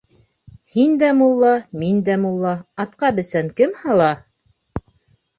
Һин дә мулла, мин дә мулла -Атҡа бесән кем һала?